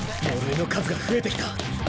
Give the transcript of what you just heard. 呪いの数が増えてきた。